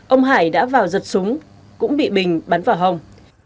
ông hải đã vào giật súng cũng bị bình bắn vào hồng